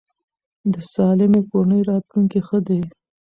د سالمې کورنۍ راتلونکی ښه دی.